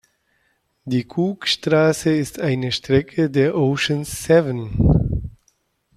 Die Cookstraße ist eine Strecke der Ocean’s Seven.